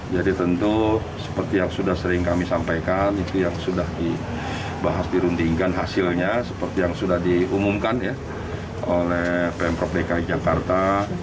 jadi tentu seperti yang sudah sering kami sampaikan itu yang sudah dibahas dirundingkan hasilnya seperti yang sudah diumumkan oleh pemprovd jakarta